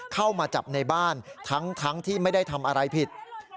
เข้ามาจับในบ้านทั้งที่ไม่ได้ทำอะไรผิด